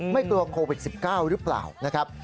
ไม่กลัวโควิด๑๙หรือเปล่านะครับ